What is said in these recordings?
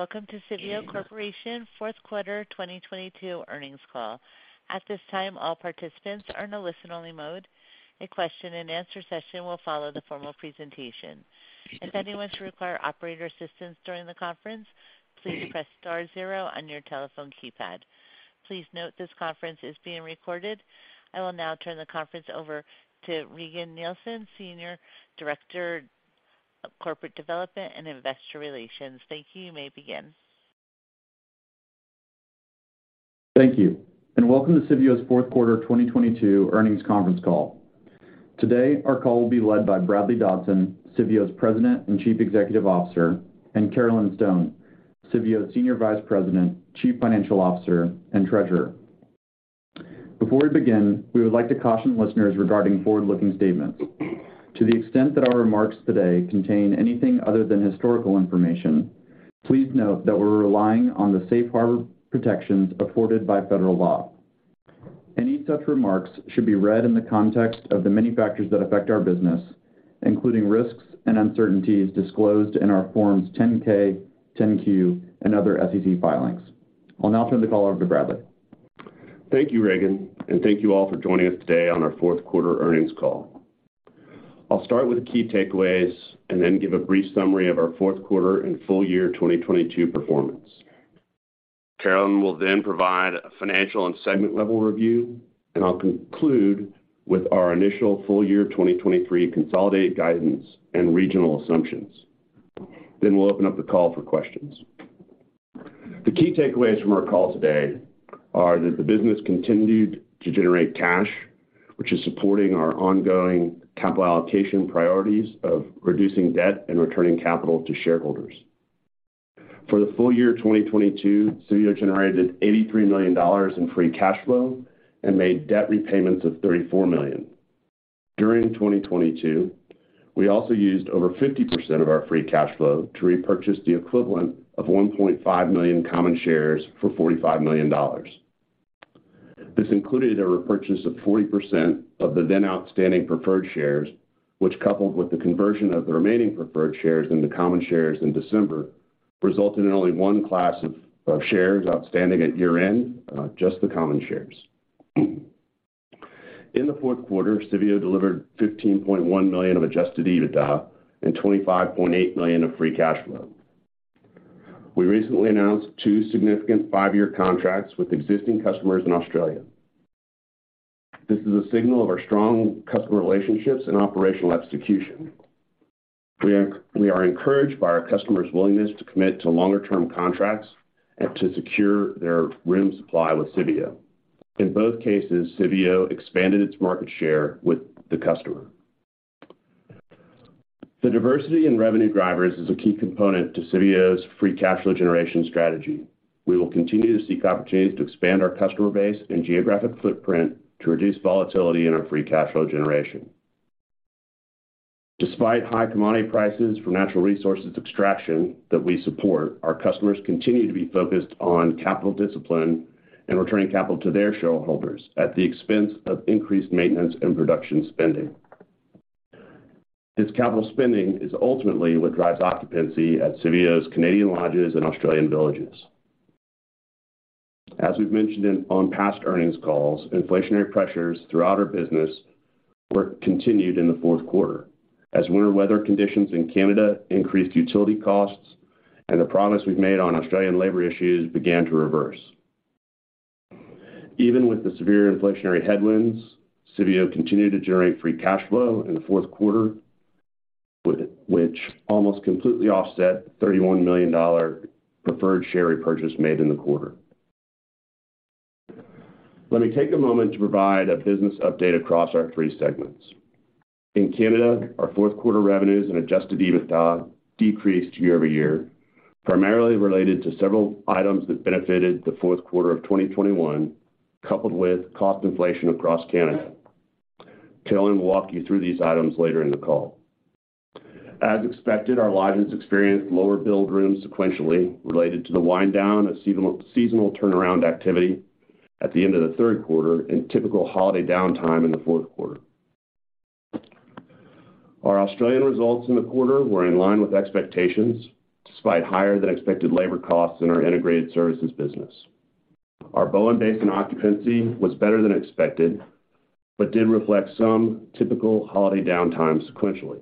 Welcome to Civeo Corporation's Fourth Quarter 2022 Earnings Call. At this time, all participants are in a listen-only mode. A question-and-answer session will follow the formal presentation. If anyone should require operator assistance during the conference, please press star zero on your telephone keypad. Please note this conference is being recorded. I will now turn the conference over to Regan Nielsen, Senior Director of Corporate Development and Investor Relations. Thank you. You may begin. Thank you. Welcome to Civeo's Fourth Quarter 2022 Earnings Conference Call. Today, our call will be led by Bradley Dodson, Civeo's President and Chief Executive Officer, and Carolyn Stone, Civeo's Senior Vice President, Chief Financial Officer, and Treasurer. Before we begin, we would like to caution listeners regarding forward-looking statements. To the extent that our remarks today contain anything other than historical information, please note that we're relying on the safe harbor protections afforded by federal law. Any such remarks should be read in the context of the many factors that affect our business, including risks and uncertainties disclosed in our Forms 10-K, 10-Q, and other SEC filings. I'll now turn the call over to Bradley. Thank you, Regan, and thank you all for joining us today on our Fourth Quarter Earnings Call. I'll start with key takeaways and then give a brief summary of our fourth quarter and full year 2022 performance. Carolyn will then provide a financial and segment level review, and I'll conclude with our initial full year 2023 consolidated guidance and regional assumptions. We'll open up the call for questions. The key takeaways from our call today are that the business continued to generate cash, which is supporting our ongoing capital allocation priorities of reducing debt and returning capital to shareholders. For the full year 2022, Civeo generated $83 million in free cash flow and made debt repayments of $34 million. During 2022, we also used over 50% of our free cash flow to repurchase the equivalent of 1.5 million common shares for $45 million. This included a repurchase of 40% of the then outstanding preferred shares, which coupled with the conversion of the remaining preferred shares in the common shares in December, resulted in only one class of shares outstanding at year-end, just the common shares. In the fourth quarter, Civeo delivered $15.1 million of adjusted EBITDA and $25.8 million of free cash flow. We recently announced two significant five-year contracts with existing customers in Australia. This is a signal of our strong customer relationships and operational execution. We are encouraged by our customers' willingness to commit to longer-term contracts and to secure their room supply with Civeo. In both cases, Civeo expanded its market share with the customer. The diversity in revenue drivers is a key component to Civeo's free cash flow generation strategy. We will continue to seek opportunities to expand our customer base and geographic footprint to reduce volatility in our free cash flow generation. Despite high commodity prices from natural resources extraction that we support, our customers continue to be focused on capital discipline and returning capital to their shareholders at the expense of increased maintenance and production spending. This capital spending is ultimately what drives occupancy at Civeo's Canadian lodges and Australian villages. As we've mentioned on past earnings calls, inflationary pressures throughout our business were continued in the fourth quarter as winter weather conditions in Canada increased utility costs and the promise we've made on Australian labor issues began to reverse. Even with the severe inflationary headwinds, Civeo continued to generate free cash flow in the fourth quarter, which almost completely offset $31 million preferred share repurchase made in the quarter. Let me take a moment to provide a business update across our three segments. In Canada, our fourth quarter revenues and adjusted EBITDA decreased year-over-year, primarily related to several items that benefited the fourth quarter of 2021, coupled with cost inflation across Canada. Carolyn will walk you through these items later in the call. As expected, our lodges experienced lower billed rooms sequentially related to the wind down of seasonal turnaround activity at the end of the third quarter and typical holiday downtime in the fourth quarter. Our Australian results in the quarter were in line with expectations despite higher than expected labor costs in our integrated services business. Our Bowen Basin occupancy was better than expected, did reflect some typical holiday downtime sequentially.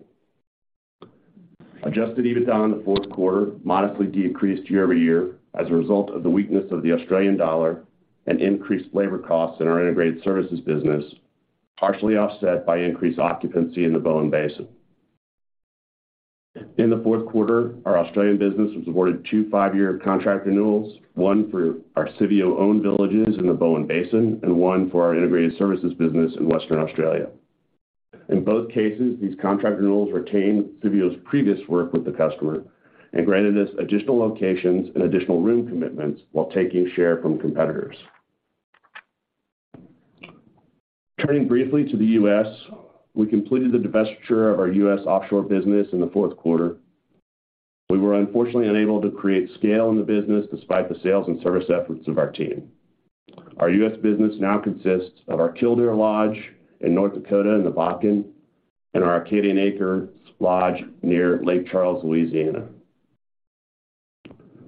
Adjusted EBITDA in the fourth quarter modestly decreased year-over-year as a result of the weakness of the Australian dollar and increased labor costs in our integrated services business, partially offset by increased occupancy in the Bowen Basin. In the fourth quarter, our Australian business was awarded two five-year contract renewals, one for our Civeo owned villages in the Bowen Basin, and one for our integrated services business in Western Australia. In both cases, these contract renewals retained Civeo's previous work with the customer and granted us additional locations and additional room commitments while taking share from competitors. Turning briefly to the U.S., we completed the divestiture of our U.S. offshore business in the fourth quarter. We were unfortunately unable to create scale in the business despite the sales and service efforts of our team. Our U.S. business now consists of our Killdeer Lodge in North Dakota in the Bakken and our Acadian Acres Lodge near Lake Charles, Louisiana.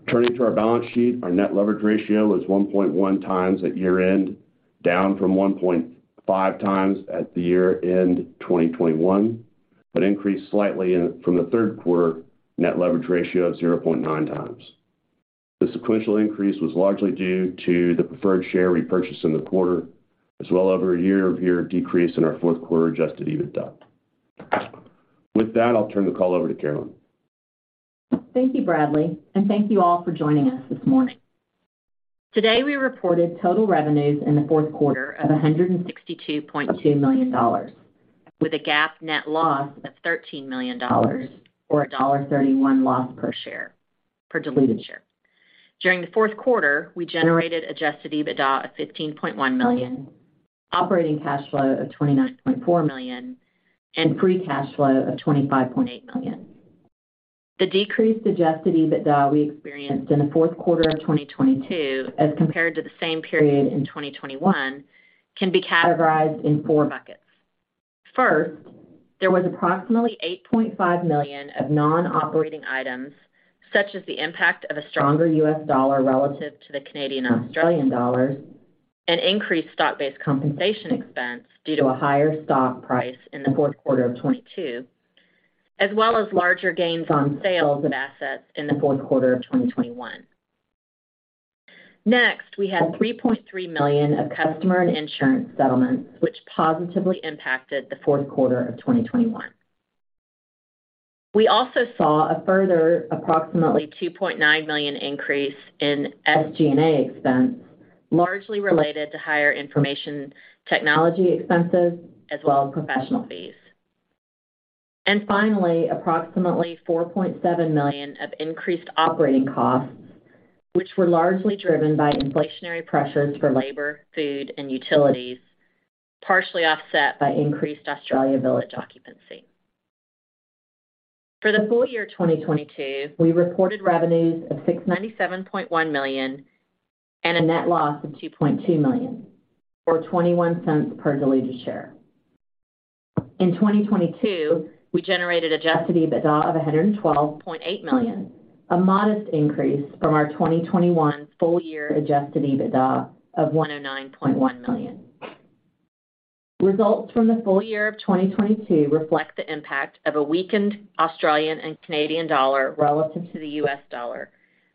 Turning to our balance sheet. Our net leverage ratio was 1.1x at year-end, down from 1.5x at the year-end 2021, but increased slightly from the third quarter net leverage ratio of 0.9x. The sequential increase was largely due to the preferred share repurchased in the quarter, as well over a year-over-year decrease in our fourth quarter adjusted EBITDA. With that, I'll turn the call over to Carolyn. Thank you, Bradley. Thank you all for joining us this morning. Today, we reported total revenues in the fourth quarter of $162.2 million with a GAAP net loss of $13 million or a $1.31 loss per diluted share. During the fourth quarter, we generated adjusted EBITDA of $15.1 million, operating cash flow of $29.4 million, and free cash flow of $25.8 million. The decrease in adjusted EBITDA we experienced in the fourth quarter of 2022, as compared to the same period in 2021, can be categorized in four buckets. There was approximately $8.5 million of non-operating items, such as the impact of a stronger U.S. dollar relative to the Canadian, Australian dollars, an increased stock-based compensation expense due to a higher stock price in the fourth quarter of 2022, as well as larger gains on sales of assets in the fourth quarter of 2021. We had $3.3 million of customer and insurance settlements, which positively impacted the fourth quarter of 2021. We also saw a further approximately $2.9 million increase in SG&A expense, largely related to higher information technology expenses as well as professional fees. Finally, approximately $4.7 million of increased operating costs, which were largely driven by inflationary pressures for labor, food, and utilities, partially offset by increased Australia village occupancy. For the full year 2022, we reported revenues of $697.1 million and a net loss of $2.2 million, or $0.21 per diluted share. In 2022, we generated adjusted EBITDA of $112.8 million, a modest increase from our 2021 full year adjusted EBITDA of $109.1 million. Results from the full year of 2022 reflect the impact of a weakened Australian dollar and Canadian dollar relative to the U.S. dollar,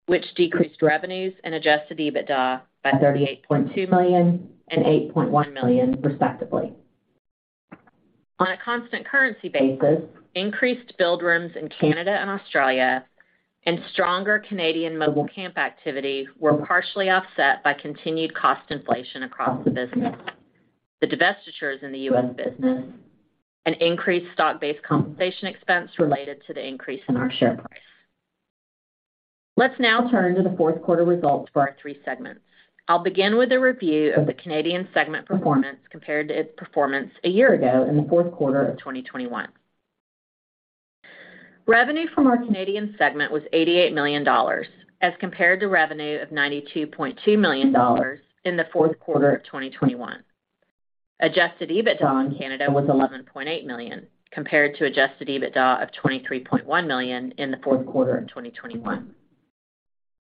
which decreased revenues and adjusted EBITDA by $38.2 million and $8.1 million, respectively. On a constant currency basis, increased billed rooms in Canada and Australia and stronger Canadian mobile camp activity were partially offset by continued cost inflation across the business. The divestitures in the U.S. business, an increased stock-based compensation expense related to the increase in our share price. Let's now turn to the fourth quarter results for our three segments. I'll begin with a review of the Canadian segment performance compared to its performance a year ago in the fourth quarter of 2021. Revenue from our Canadian segment was $88 million, as compared to revenue of $92.2 million in the fourth quarter of 2021. Adjusted EBITDA in Canada was $11.8 million, compared to adjusted EBITDA of $23.1 million in the fourth quarter of 2021.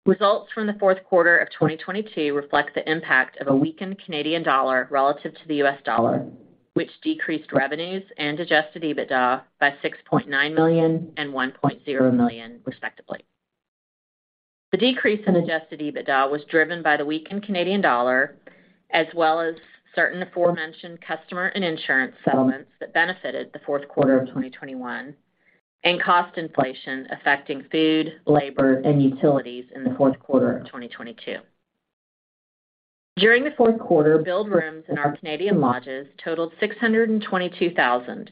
Results from the fourth quarter of 2022 reflect the impact of a weakened Canadian dollar relative to the U.S. dollar, which decreased revenues and adjusted EBITDA by $6.9 million and $1.0 million, respectively. The decrease in adjusted EBITDA was driven by the weakened Canadian dollar, as well as certain aforementioned customer and insurance settlements that benefited the fourth quarter of 2021, and cost inflation affecting food, labor, and utilities in the fourth quarter of 2022. During the fourth quarter, billed rooms in our Canadian lodges totaled 622,000,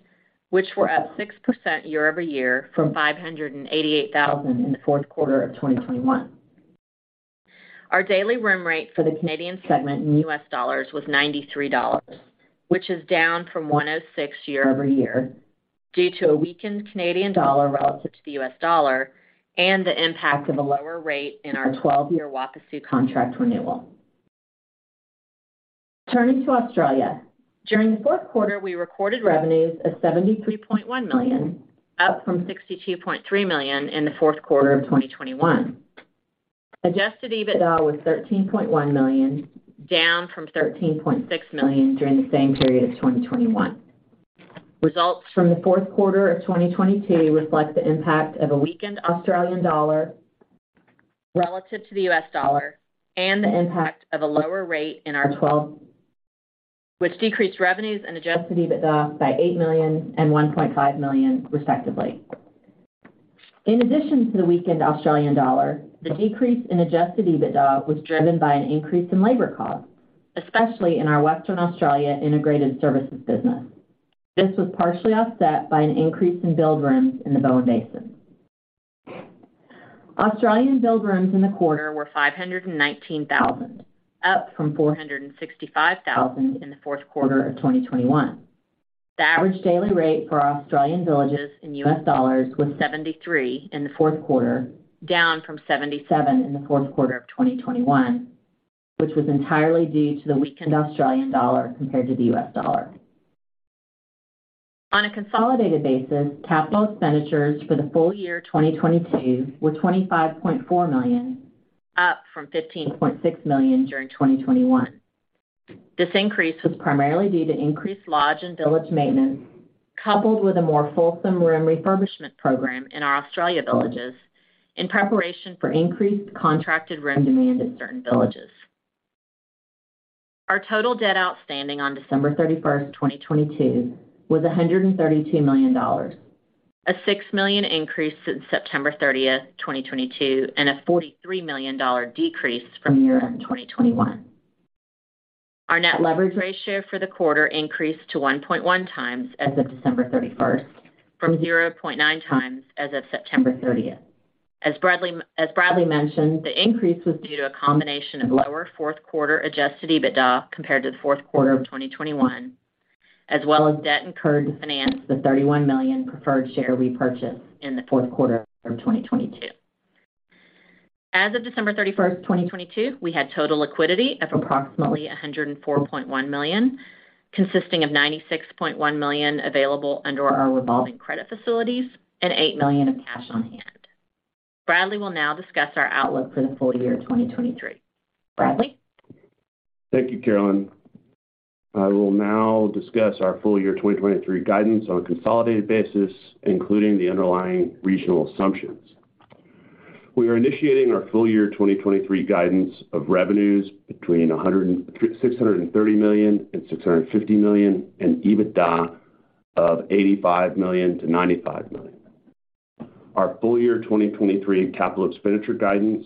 which were up 6% year-over-year from 588,000 in the fourth quarter of 2021. Our daily room rate for the Canadian segment in U.S. dollars was $93, which is down from $106 year-over-year due to a weakened Canadian dollar relative to the U.S. dollar and the impact of a lower rate in our 12-year Wapasu contract renewal. Turning to Australia. During the fourth quarter, we recorded revenues of $73.1 million, up from $62.3 million in the fourth quarter of 2021. Adjusted EBITDA was $13.1 million, down from $13.6 million during the same period of 2021. Results from the fourth quarter of 2022 reflect the impact of a weakened Australian dollar relative to the U.S. dollar and the impact of a lower rate in our twelve-- which decreased revenues and adjusted EBITDA by $8 million and $1.5 million, respectively. In addition to the weakened Australian dollar, the decrease in adjusted EBITDA was driven by an increase in labor costs, especially in our Western Australia integrated services business. This was partially offset by an increase in billed rooms in the Bowen Basin. Australian billed rooms in the quarter were 519,000, up from 465,000 in the fourth quarter of 2021. The average daily rate for our Australian villages in U.S. dollars was $73 in the fourth quarter, down from $77 in the fourth quarter of 2021. Which was entirely due to the weakened Australian dollar compared to the U.S. dollar. On a consolidated basis, capital expenditures for the full year 2022 were $25.4 million, up from $15.6 million during 2021. This increase was primarily due to increased lodge and village maintenance, coupled with a more fulsome room refurbishment program in our Australia villages in preparation for increased contracted room demand at certain villages. Our total debt outstanding on December 31st, 2022 was $132 million, a $6 million increase since September 30th, 2022, and a $43 million decrease from year-end 2021. Our net leverage ratio for the quarter increased to 1.1x as of December 31st from 0.9x as of September 30th. As Bradley mentioned, the increase was due to a combination of lower fourth quarter adjusted EBITDA compared to the fourth quarter of 2021, as well as debt incurred to finance the $31 million preferred share repurchase in the fourth quarter of 2022. As of December 31st, 2022, we had total liquidity of approximately $104.1 million, consisting of $96.1 million available under our revolving credit facilities and $8 million of cash on hand. Bradley will now discuss our outlook for the full year 2023. Bradley? Thank you, Carolyn. I will now discuss our full year 2023 guidance on a consolidated basis, including the underlying regional assumptions. We are initiating our full year 2023 guidance of revenues between $630 million and $650 million and EBITDA of $85 million-$95 million. Our full year 2023 capital expenditure guidance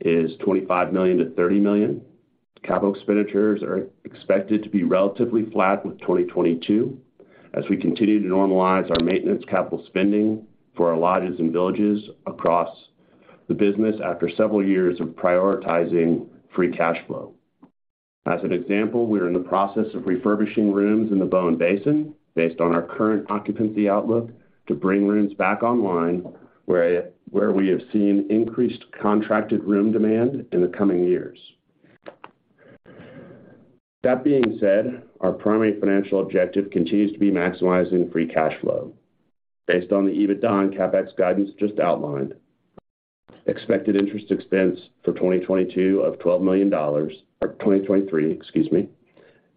is $25 million-$30 million. Capital expenditures are expected to be relatively flat with 2022 as we continue to normalize our maintenance capital spending for our lodges and villages across the business after several years of prioritizing free cash flow. As an example, we are in the process of refurbishing rooms in the Bowen Basin based on our current occupancy outlook to bring rooms back online where we have seen increased contracted room demand in the coming years. That being said, our primary financial objective continues to be maximizing free cash flow. Based on the EBITDA and CapEx guidance just outlined, expected interest expense for 2023 of $12 million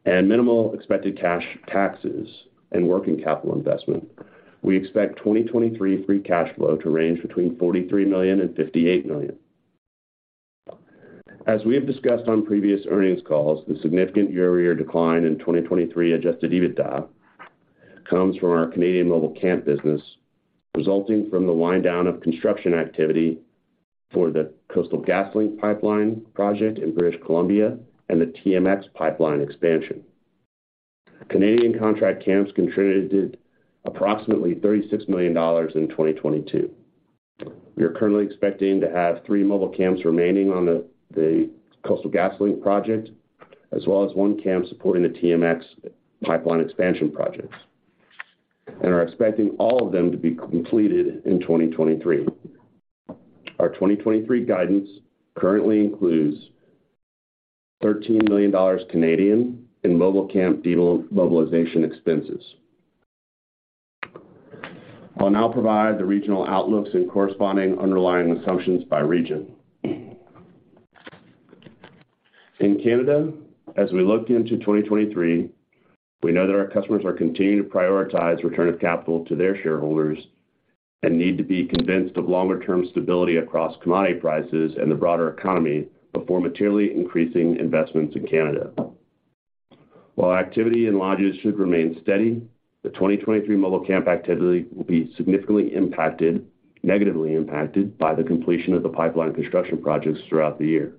and minimal expected cash taxes and working capital investment, we expect 2023 free cash flow to range between $43 million and $58 million. As we have discussed on previous earnings calls, the significant year-over-year decline in 2023 adjusted EBITDA comes from our Canadian mobile camp business, resulting from the wind down of construction activity for the Coastal GasLink pipeline project in British Columbia and the TMX pipeline expansion. Canadian contract camps contributed approximately $36 million in 2022. We are currently expecting to have three mobile camps remaining on the Coastal GasLink project, as well as one camp supporting the TMX pipeline expansion projects, and are expecting all of them to be completed in 2023. Our 2023 guidance currently includes 13 million Canadian dollars in mobile camp demobilization expenses. I'll now provide the regional outlooks and corresponding underlying assumptions by region. In Canada, as we look into 2023, we know that our customers are continuing to prioritize return of capital to their shareholders and need to be convinced of longer term stability across commodity prices and the broader economy before materially increasing investments in Canada. While activity in lodges should remain steady, the 2023 mobile camp activity will be significantly impacted, negatively impacted by the completion of the pipeline construction projects throughout the year,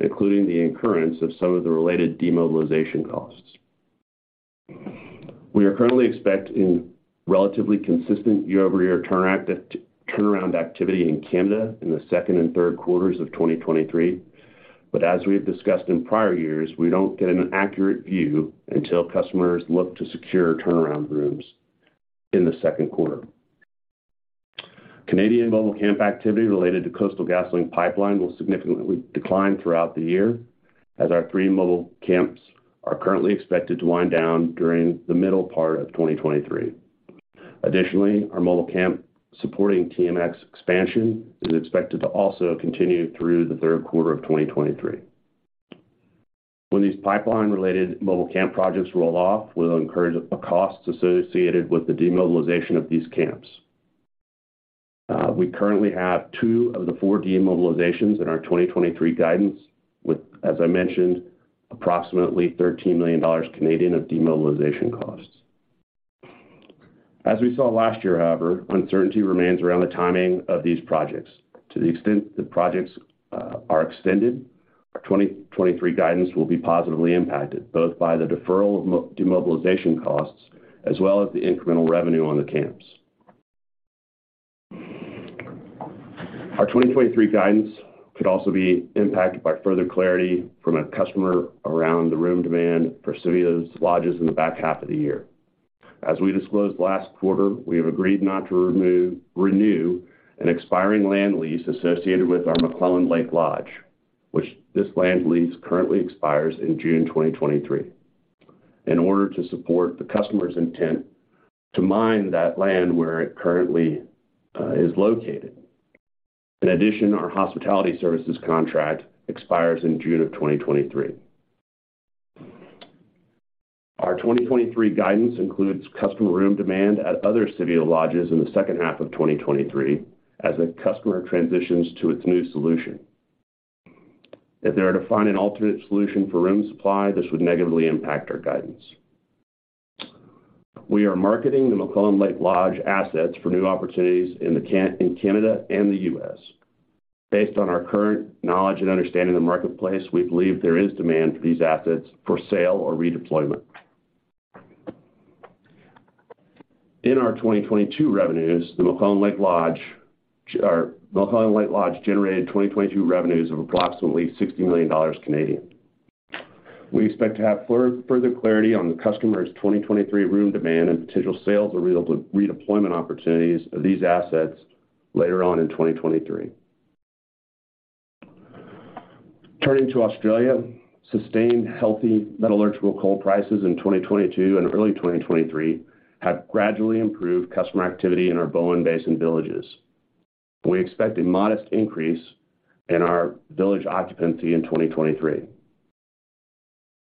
including the incurrence of some of the related demobilization costs. We are currently expecting relatively consistent year-over-year turnaround activity in Canada in the second and third quarters of 2023. As we have discussed in prior years, we don't get an accurate view until customers look to secure turnaround rooms in the second quarter. Canadian mobile camp activity related to Coastal GasLink pipeline will significantly decline throughout the year as our three mobile camps are currently expected to wind down during the middle part of 2023. Additionally, our mobile camp supporting TMX expansion is expected to also continue through the third quarter of 2023. When these pipeline-related mobile camp projects roll off, we'll encourage the costs associated with the demobilization of these camps. We currently have two of the four demobilizations in our 2023 guidance with, as I mentioned, approximately 13 million Canadian dollars of demobilization costs. We saw last year, however, uncertainty remains around the timing of these projects. To the extent the projects are extended, our 2023 guidance will be positively impacted, both by the deferral of demobilization costs as well as the incremental revenue on the camps. Our 2023 guidance could also be impacted by further clarity from a customer around the room demand for Civeo's lodges in the back half of the year. We disclosed last quarter, we have agreed not to renew an expiring land lease associated with our McClelland Lake Lodge, which this land lease currently expires in June 2023, in order to support the customer's intent to mine that land where it currently is located. In addition, our hospitality services contract expires in June of 2023. Our 2023 guidance includes customer room demand at other Civeo lodges in the second half of 2023 as the customer transitions to its new solution. They are to find an alternate solution for room supply, this would negatively impact our guidance. We are marketing the McClelland Lake Lodge assets for new opportunities in Canada and the U.S. Based on our current knowledge and understanding of the marketplace, we believe there is demand for these assets for sale or redeployment. In our 2022 revenues, our McClelland Lake Lodge generated 2022 revenues of approximately 60 million Canadian dollars. We expect to have further clarity on the customer's 2023 room demand and potential sales or redeployment opportunities of these assets later on in 2023. Turning to Australia, sustained healthy metallurgical coal prices in 2022 and early 2023 have gradually improved customer activity in our Bowen Basin villages. We expect a modest increase in our village occupancy in 2023.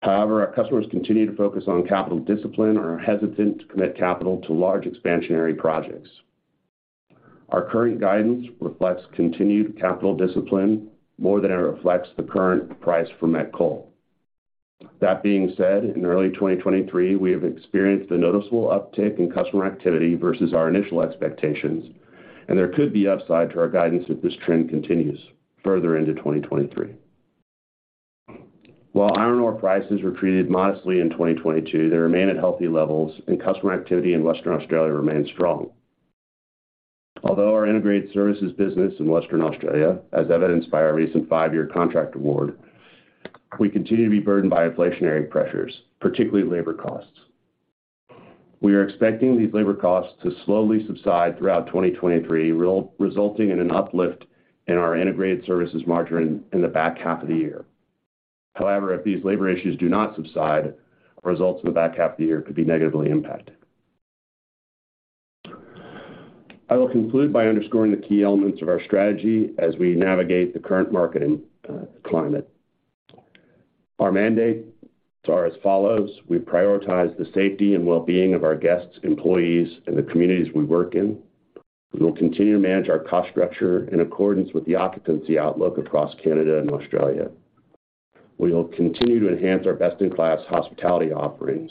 Our customers continue to focus on capital discipline and are hesitant to commit capital to large expansionary projects. Our current guidance reflects continued capital discipline more than it reflects the current price for met coal. That being said, in early 2023, we have experienced a noticeable uptick in customer activity versus our initial expectations, and there could be upside to our guidance if this trend continues further into 2023. While iron ore prices retreated modestly in 2022, they remain at healthy levels, and customer activity in Western Australia remains strong. Although our integrated services business in Western Australia, as evidenced by our recent five-year contract award, we continue to be burdened by inflationary pressures, particularly labor costs. We are expecting these labor costs to slowly subside throughout 2023, resulting in an uplift in our integrated services margin in the back half of the year. However, if these labor issues do not subside, our results in the back half of the year could be negatively impacted. I will conclude by underscoring the key elements of our strategy as we navigate the current market and climate. Our mandates are as follows. We prioritize the safety and well-being of our guests, employees, and the communities we work in. We will continue to manage our cost structure in accordance with the occupancy outlook across Canada and Australia. We will continue to enhance our best-in-class hospitality offerings.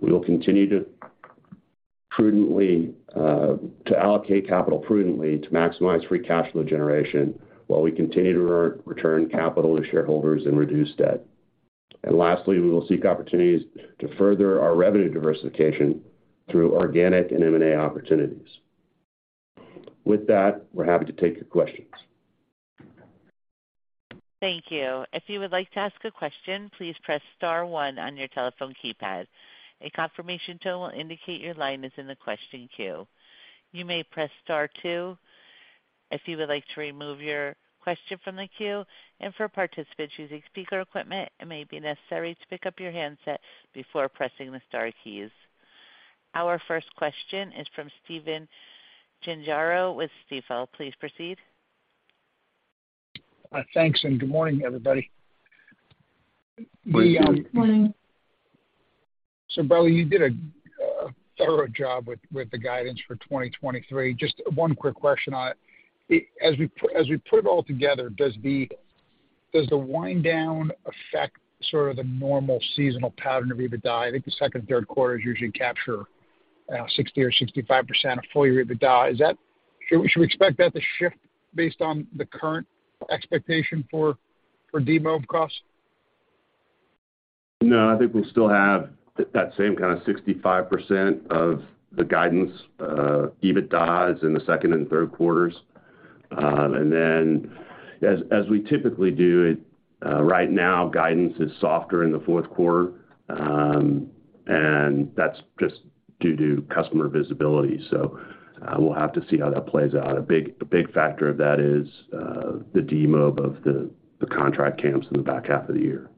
We will continue to prudently to allocate capital prudently to maximize free cash flow generation while we continue to re-return capital to shareholders and reduce debt. Lastly, we will seek opportunities to further our revenue diversification through organic and M&A opportunities. With that, we're happy to take your questions. Thank you. If you would like to ask a question, please press star one on your telephone keypad. A confirmation tone will indicate your line is in the question queue. You may press star two if you would like to remove your question from the queue. For participants using speaker equipment, it may be necessary to pick up your handset before pressing the star keys. Our first question is from Stephen Gengaro with Stifel. Please proceed. Thanks, good morning, everybody. Good morning. Good morning. Bradley, you did a thorough job with the guidance for 2023. Just one quick question on it. As we put it all together, does the wind down affect sort of the normal seasonal pattern of EBITDA? I think the second and third quarters usually capture 60% or 65% of full year EBITDA. Should we expect that to shift based on the current expectation for demob costs? I think we'll still have that same kind of 65% of the guidance EBITDAs in the second and third quarters. As, as we typically do, right now, guidance is softer in the fourth quarter, and that's just due to customer visibility. We'll have to see how that plays out. A big factor of that is the demob of the contract camps in the back half of the year.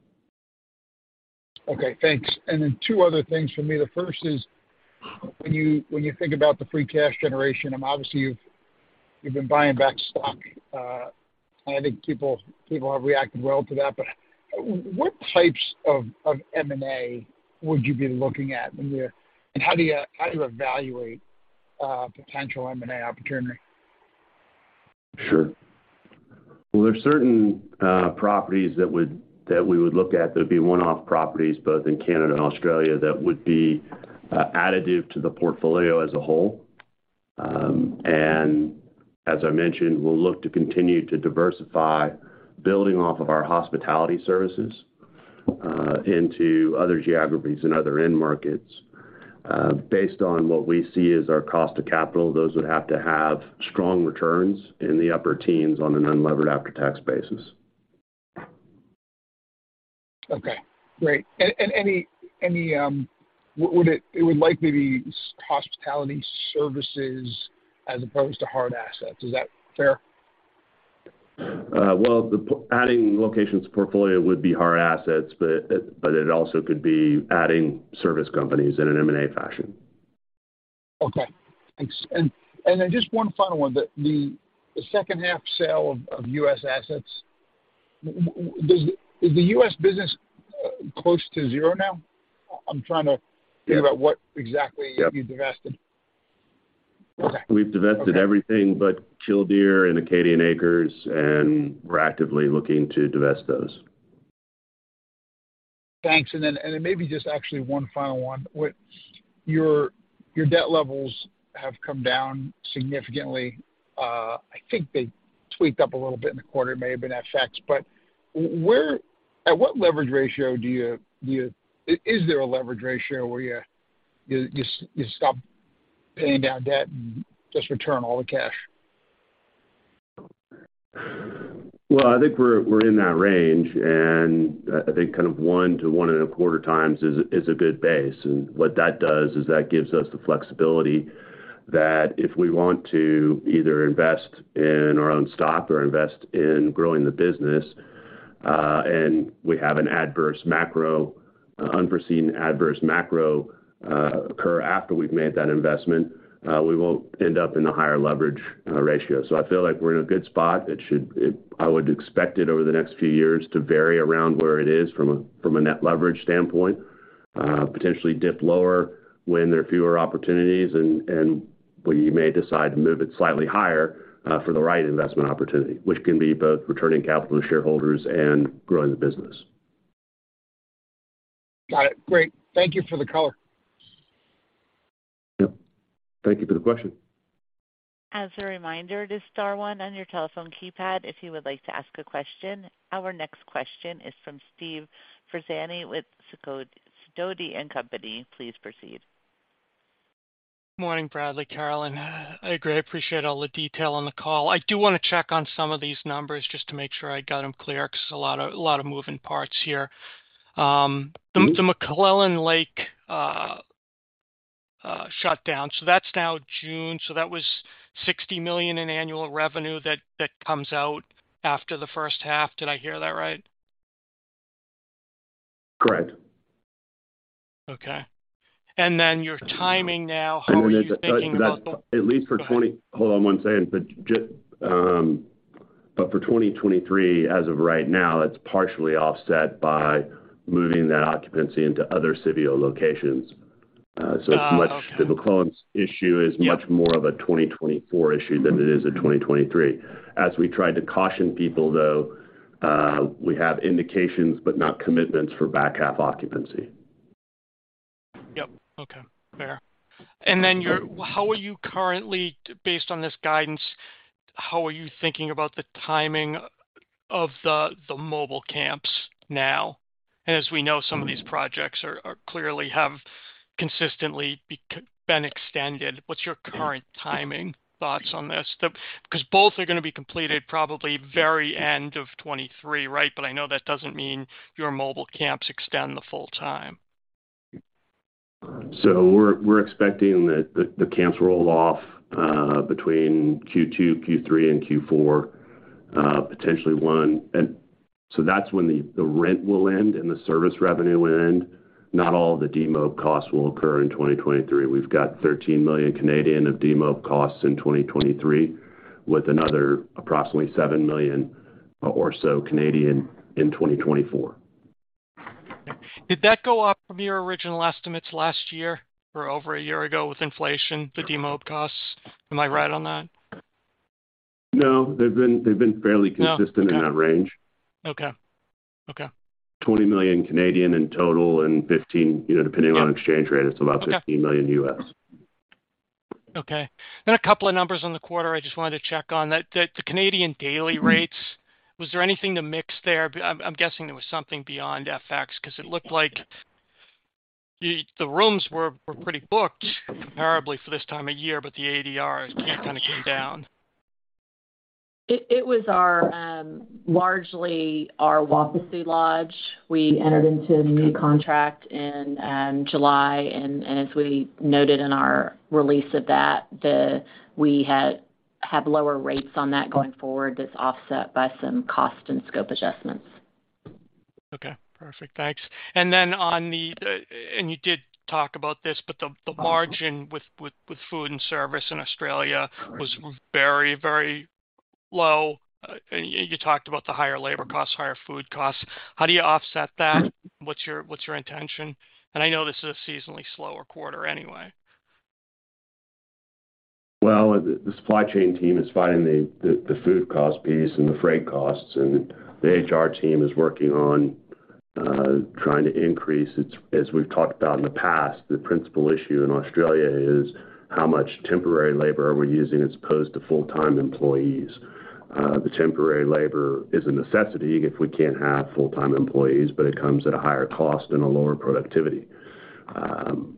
Okay, thanks. Then two other things for me. The first is when you think about the free cash generation, and obviously you've been buying back stock, and I think people have reacted well to that. What types of M&A would you be looking at? How do you evaluate potential M&A opportunity? Sure. Well, there are certain properties that we would look at that would be one-off properties, both in Canada and Australia, that would be additive to the portfolio as a whole. As I mentioned, we'll look to continue to diversify building off of our hospitality services into other geographies and other end markets. Based on what we see as our cost of capital, those would have to have strong returns in the upper teens on an unlevered after-tax basis. Okay, great. Any, it would likely be hospitality services as opposed to hard assets. Is that fair? Well, adding locations to portfolio would be hard assets, but it also could be adding service companies in an M&A fashion. Okay. Thanks. Then just one final one. The second half sale of U.S. assets. Is the U.S. business close to zero now? I'm trying to think about what exactly you divested. Yeah. Okay. We've divested everything but Killdeer and Acadian Acres, and we're actively looking to divest those. Thanks. Then maybe just actually one final one. With your debt levels have come down significantly. I think they tweaked up a little bit in the quarter. It may have been FX. At what leverage ratio do you Is there a leverage ratio where you stop paying down debt and just return all the cash? Well, I think we're in that range. I think kind of 1-1.25x is a good base. What that does is that gives us the flexibility that if we want to either invest in our own stock or invest in growing the business, and we have an adverse macro, unforeseen adverse macro, occur after we've made that investment, we won't end up in a higher leverage ratio. I feel like we're in a good spot. I would expect it over the next few years to vary around where it is from a, from a net leverage standpoint. Potentially dip lower when there are fewer opportunities and we may decide to move it slightly higher for the right investment opportunity, which can be both returning capital to shareholders and growing the business. Got it. Great. Thank you for the color. Yep. Thank you for the question. As a reminder to star one on your telephone keypad if you would like to ask a question. Our next question is from Stephen Ferazani with Sidoti & Company. Please proceed. Morning, Bradley, Carolyn. I agree, I appreciate all the detail on the call. I do wanna check on some of these numbers just to make sure I got them clear because a lot of moving parts here. The McClelland Lake shut down, that's now June. That was $60 million in annual revenue that comes out after the first half. Did I hear that right? Correct. Okay. Then your timing now, how are you thinking about? At least for Go ahead. Hold on one second. For 2023, as of right now, it's partially offset by moving that occupancy into other Civeo locations. Oh, okay. It's the McClelland's issue is much more of a 2024 issue than it is a 2023. As we tried to caution people though, we have indications but not commitments for back half occupancy. Yep. Okay. Fair. How are you thinking about the timing of the mobile camps now? As we know, some of these projects are clearly have consistently been extended. What's your current timing thoughts on this? 'Cause both are gonna be completed probably very end of 2023, right? I know that doesn't mean your mobile camps extend the full time. We're expecting that the camps roll off between Q2, Q3, and Q4, potentially one. That's when the rent will end and the service revenue will end. Not all of the demob costs will occur in 2023. We've got 13 million of demob costs in 2023, with another approximately 7 million or so Canadian in 2024. Did that go up from your original estimates last year or over a year ago with inflation, the demob costs? Am I right on that? No. They've been fairly consistent in that range. No. Okay. Okay. Okay. 20 million in total and $15 million, you know, depending on exchange rate, it's about $15 million. Okay. A couple of numbers on the quarter I just wanted to check on. The Canadian daily rates, was there anything to mix there? I'm guessing there was something beyond FX 'cause it looked like the rooms were pretty booked comparably for this time of year, but the ADRs camp kinda came down. It was our largely our Wapasu Lodge. We entered into a new contract in July. As we noted in our release of that, we had have lower rates on that going forward that's offset by some cost and scope adjustments. Okay. Perfect. Thanks. You did talk about this, but the margin with food and service in Australia was very, very low. You know, you talked about the higher labor costs, higher food costs. How do you offset that? What's your intention? I know this is a seasonally slower quarter anyway. Well, the supply chain team is finding the food cost piece and the freight costs. The HR team is working on trying to increase. As we've talked about in the past, the principal issue in Australia is how much temporary labor are we using as opposed to full-time employees. The temporary labor is a necessity if we can't have full-time employees, but it comes at a higher cost and a lower productivity,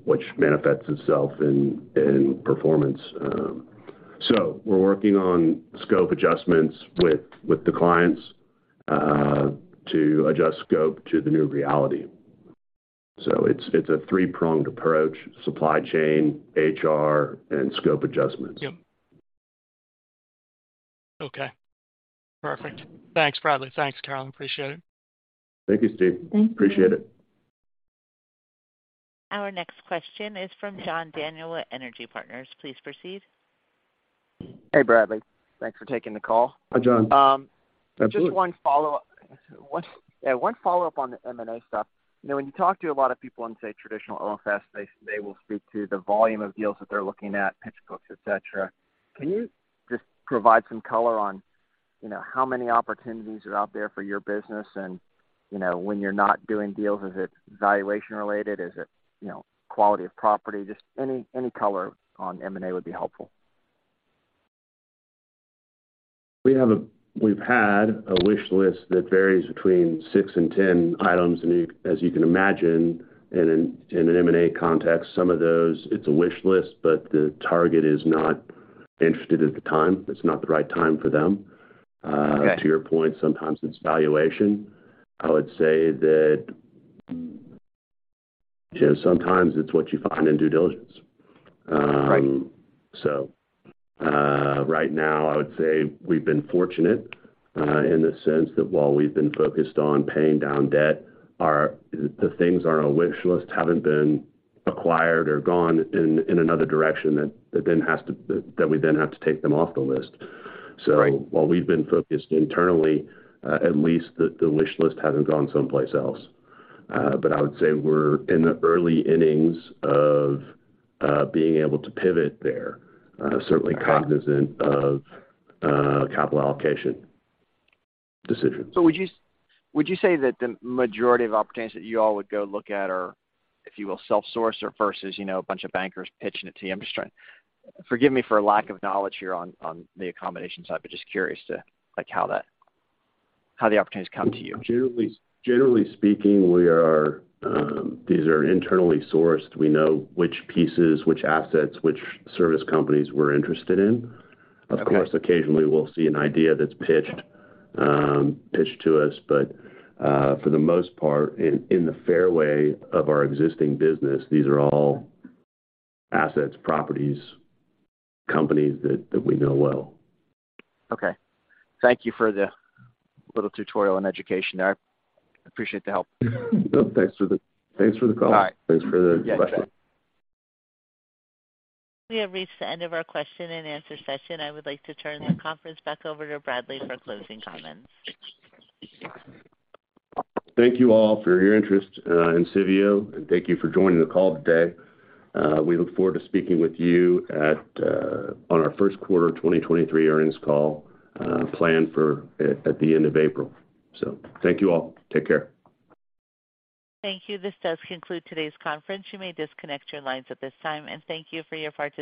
which manifests itself in performance. We're working on scope adjustments with the clients to adjust scope to the new reality. It's a three-pronged approach: supply chain, HR, and scope adjustments. Yep. Okay, perfect. Thanks, Bradley. Thanks, Carolyn. Appreciate it. Thank you, Steve. Thank you. Appreciate it. Our next question is from John Daniel at Energy Partners. Please proceed. Hey, Bradley. Thanks for taking the call. Hi, John. Absolutely. Just one follow-up. Yeah, one follow-up on the M&A stuff. You know, when you talk to a lot of people in, say, traditional OFS, they will speak to the volume of deals that they're looking at, pitch books, et cetera. Can you just provide some color on, you know, how many opportunities are out there for your business? You know, when you're not doing deals, is it valuation related? Is it, you know, quality of property? Just any color on M&A would be helpful. We've had a wish list that varies between six and 10 items. As you can imagine in an M&A context, some of those, it's a wish list, but the target is not interested at the time. It's not the right time for them. Okay. To your point, sometimes it's valuation. I would say that, you know, sometimes it's what you find in due diligence. Right. Right now I would say we've been fortunate, in the sense that while we've been focused on paying down debt, the things on our wish list haven't been acquired or gone in another direction that we then have to take them off the list. Right. While we've been focused internally, at least the wish list hasn't gone someplace else. I would say we're in the early innings of being able to pivot there. Okay. Cognizant of, capital allocation decisions. Would you say that the majority of opportunities that you all would go look at are, if you will, self-sourced versus, you know, a bunch of bankers pitching it to you? Forgive me for a lack of knowledge here on the accommodation side, but just curious to like how the opportunities come to you. Generally speaking, these are internally sourced. We know which pieces, which assets, which service companies we're interested in. Okay. Of course, occasionally we'll see an idea that's pitched to us, but for the most part, in the fairway of our existing business, these are all assets, properties, companies that we know well. Okay. Thank you for the little tutorial and education there. I appreciate the help. No, thanks for the call. All right. Thanks for the question. We have reached the end of our question and answer session. I would like to turn the conference back over to Bradley for closing comments. Thank you all for your interest in Civeo, and thank you for joining the call today. We look forward to speaking with you on our first quarter 2023 earnings call, planned for at the end of April. Thank you all. Take care. Thank you. This does conclude today's conference. You may disconnect your lines at this time, and thank you for your participation.